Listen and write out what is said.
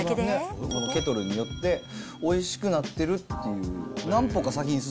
ケトルによって、おいしくなってるっていう、何？